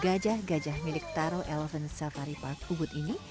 gajah gajah milik taro elvan safari park ubud ini